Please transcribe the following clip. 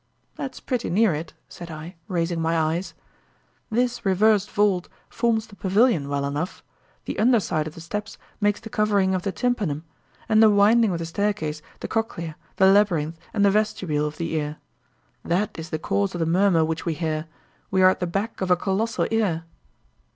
"That's pretty near it," said I, raising my eyes. "This reversed vault forms the pavilion well enough; the under side of the steps makes the covering of the tympanum, and the winding of the staircase the cochlea, the labyrinth, and vestibule of the ear. That is the cause of the murmur which we hear: we are at the back of a colossal ear."